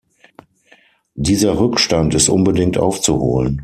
Dieser Rückstand ist unbedingt aufzuholen.